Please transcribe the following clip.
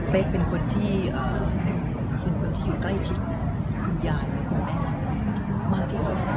คุณเป๊กเป็นคนที่อยู่ใกล้ชิดคุณยายคุณแม่มากที่สุด